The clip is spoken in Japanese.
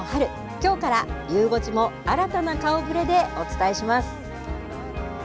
きょうからゆう５時も新たな顔ぶれでお伝えします。